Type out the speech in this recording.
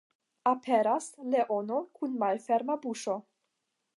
Aperas leono kun malferma buŝo.